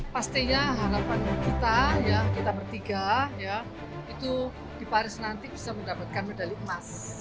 pastinya harapan kita kita bertiga itu di paris nanti bisa mendapatkan medali emas